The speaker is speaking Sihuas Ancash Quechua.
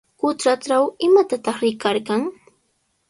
Qutratraw, ¿imatataq rikarqan?